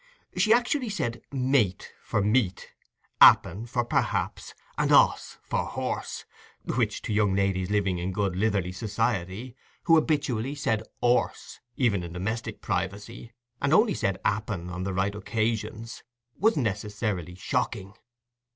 She actually said "mate" for "meat", "'appen" for "perhaps", and "oss" for "horse", which, to young ladies living in good Lytherly society, who habitually said 'orse, even in domestic privacy, and only said 'appen on the right occasions, was necessarily shocking.